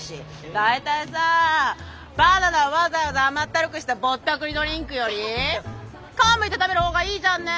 大体さあバナナわざわざ甘ったるくしたぼったくりドリンクより皮むいて食べるほうがいいじゃんね。